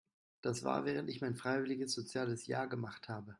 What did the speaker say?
Das war während ich mein freiwilliges soziales Jahr gemacht habe.